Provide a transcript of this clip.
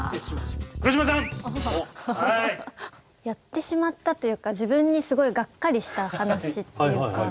「やってしまった」というか自分にすごいがっかりした話っていうか。